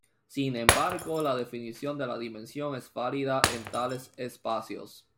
Sin embargo, la definición de la dimensión es válida en tales espacios.